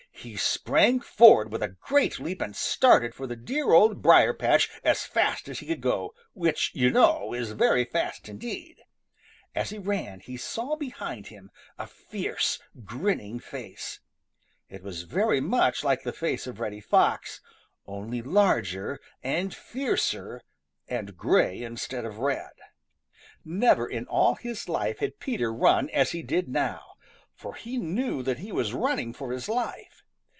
He sprang forward with a great leap and started for the dear Old Briar patch as fast as he could go, which, you know, is very fast indeed. As he ran, he saw behind him a fierce, grinning face. It was very much like the face of Reddy Fox, only larger and fiercer and gray instead of red. Never in all his life had Peter run as he did now, for he knew that he was running for his life.